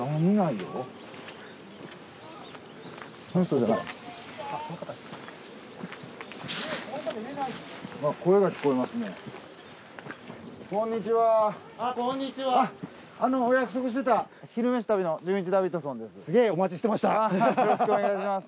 よろしくお願いします。